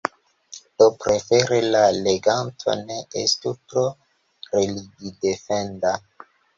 Do prefere la leganto ne estu tro religidefenda.